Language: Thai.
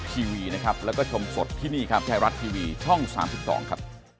ใช่ครับ